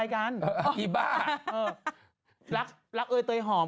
อู๋เขาทำวีซาร์อยากเย็น